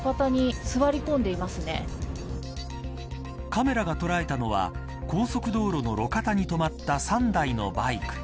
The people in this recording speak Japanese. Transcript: カメラが捉えたのは高速道路の路肩に止まった３台のバイク。